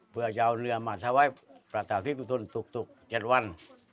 เผื่อจะเอาเหนือมาชาวไว้ประสาธิภิกษ์สุทธนถูกเจ็ดวัน